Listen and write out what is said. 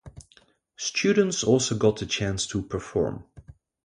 Students also got the chance to perform.